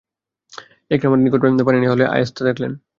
ইকরামার নিকট পানি নেয়া হলে আইয়াস তা দেখলেন।